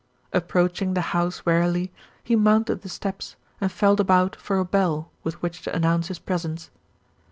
Approaching the house warily, he mounted the steps and felt about for a bell with which to announce his presence.